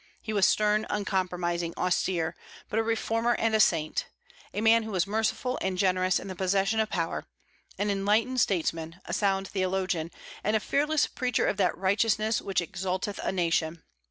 He was stern, uncompromising, austere, but a reformer and a saint; a man who was merciful and generous in the possession of power; an enlightened statesman, a sound theologian, and a fearless preacher of that righteousness which exalteth a nation.